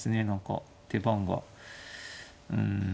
何か手番がうん。